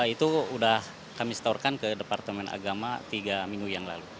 itu sudah kami setorkan ke departemen agama tiga minggu yang lalu